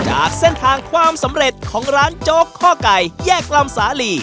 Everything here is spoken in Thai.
จากเส้นทางความสำเร็จของร้านโจ๊กข้อไก่แยกลำสาลี